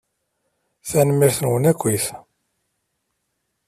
Tanemmirt-nwen akkit.